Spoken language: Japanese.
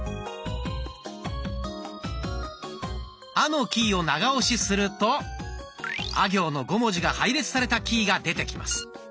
「あ」のキーを長押しすると「あ」行の５文字が配列されたキーが出てきます。